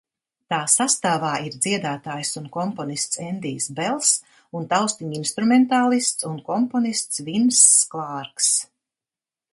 Tā sastāvā ir dziedātājs un komponists Endijs Bels un taustiņinstrumentālists un komponists Vinss Klārks.